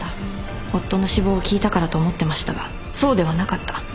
夫の死亡を聞いたからと思ってましたがそうではなかった。